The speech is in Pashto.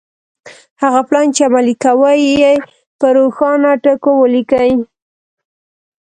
هغه پلان چې عملي کوئ يې په روښانه ټکو وليکئ.